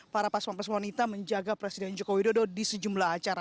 para pas pampres wanita menjaga presiden joko widodo di sejumlah acara